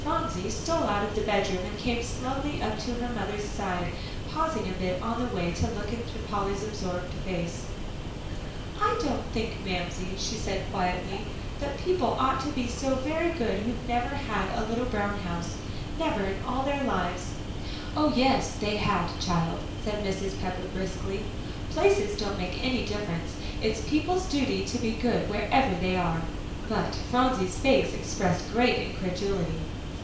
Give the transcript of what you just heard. Phronsie stole out of the bedroom, and came slowly up to her mother's side, pausing a bit on the way to look into Polly's absorbed face. "I don't think, Mamsie," she said quietly, "that people ought to be so very good who've never had a little brown house; never in all their lives." "Oh, yes, they had, child," said Mrs. Pepper briskly; "places don't make any difference. It's people's duty to be good wherever they are." But Phronsie's face expressed great incredulity.